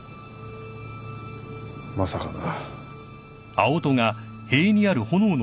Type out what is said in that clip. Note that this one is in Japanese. まさかな。